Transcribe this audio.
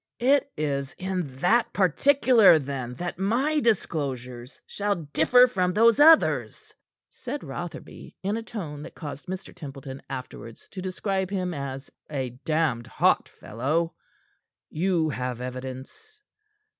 "It is in that particular, then, that my disclosures shall differ from those others," said Rotherby, in a tone that caused Mr. Templeton afterwards to describe him as "a damned hot fellow." "You have evidence?"